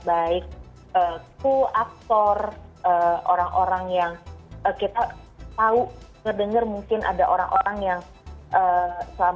baik kru aktor orang orang yang kita tahu dengar mungkin ada orang orang yang selama ini juga berpengalaman